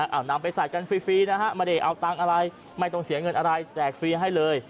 เอานำไปใส่กันฟรีนะฮะไม่ได้เอาตังค์อะไรไม่ต้องเสียเงินอะไรแจกฟรีให้เลย